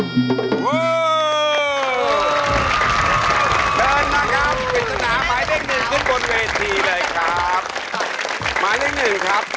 สวัสดีครับ